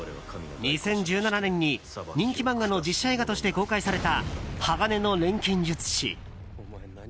２０１７年に人気漫画の実写映画として公開された「鋼の錬金術師」。